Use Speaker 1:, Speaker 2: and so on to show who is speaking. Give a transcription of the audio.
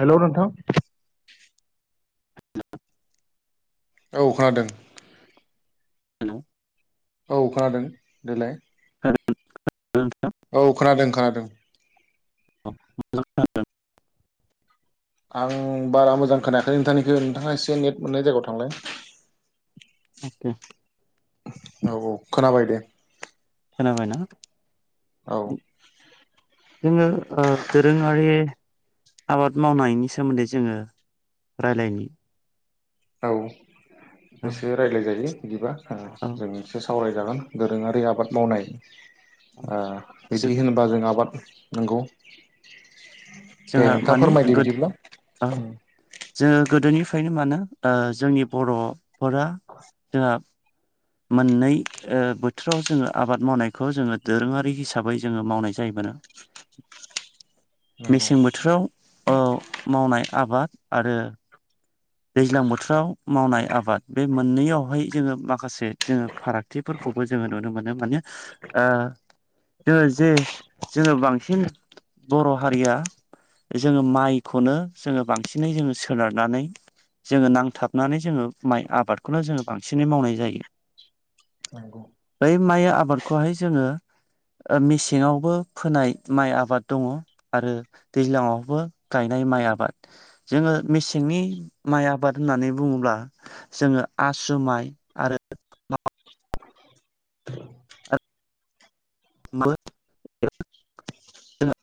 Speaker 1: Hello नोंथां । औ खोनादों
Speaker 2: हेलौ
Speaker 1: औ खोनादों देलाय
Speaker 2: खोनादोंना नोंथां
Speaker 1: औ खोनादों खोना दों
Speaker 2: [unintelligible]
Speaker 1: आं बारा मोजां खोनायाखै नोंथांनिखौ नोंथाङा एसे नेट मोननाय जायगायाव थांलाय ।
Speaker 2: अके
Speaker 1: औ औ खोनाबाय दे
Speaker 2: खोनाबायना?
Speaker 1: औ
Speaker 2: जोङो ओ दोरोङारि आबाद मावनायनि सोमोन्दै जोङो रायलायनि
Speaker 1: औ
Speaker 2: औ
Speaker 1: गोसो रायलाय जायो। बिदिबा ओ
Speaker 2: औ
Speaker 1: जों एसे सावरायजागोन दोरोङारि आबाद मावनाय।
Speaker 2: औ
Speaker 1: ओ बिदि होनोबा जों आबाद नंगौ दे
Speaker 2: जोंहा
Speaker 1: नोंथाङा
Speaker 2: मानि
Speaker 1: फोरमायदो
Speaker 2: गोद
Speaker 1: बिदिब्ला
Speaker 2: ओं जोंङो गोदोनि फायनो मानो ओ जोंनि बर' फोरा जोंहा मोननै ओ बोथोराव जोंङो आबाद मावनायखौ जोंङो दोरोङारि हिसाबै जोंङो मावनाय जायोमोनओ
Speaker 1: नंगौ
Speaker 2: मेसें बोथोराव ओ मावनाय आबाद आरो दैज्लां बोथोराव मावनाय आबाद बे मोननैयावहाय जोंङो माखासे जोंङो फारागथिफोरखौबो जोंङो नुनो मोनो माने ओ जोंङो जे जोंङो बांसिन बर' हारिया जोंङो माइखौनो जोङो बांसिनै जोंङो सोनारनानै जोंङो नांथाबनानै जोंङो माइ आबादखौनो जोंङो बांसिनै मावनाय जायो
Speaker 1: नंगौ
Speaker 2: बै माइ आबादखौहाय जोंङो ओ मेसेंआवबो फोनाय माइ आबाद दङ आरो दैज्लाङावबो गायनाय माइ आबाद जोंङो मेसेंनि माइ आबाद होननानै बुङोब्ला जोंङो आसु माइ आरो [unintelligible]